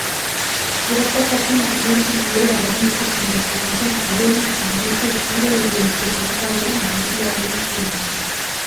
புறப்பட்டபின் அங்கிருந்து நேரே அரண்மனைக்குச் சென்ற கோமுகன், உதயணனைச் சந்தித்துக் கூற வேண்டியவற்றைக் குறிப்பாகவும் அமைதியாகவும் கூறினான்.